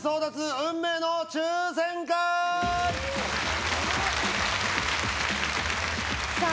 運命の抽選会さあ